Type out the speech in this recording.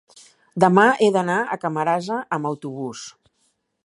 demà he d'anar a Camarasa amb autobús.